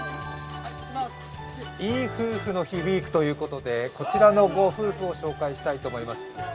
「いい夫婦の日ウイーク」ということで、こちらのご夫婦を紹介したいと思います。